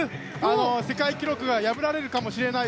世界記録が破られるかもしれない。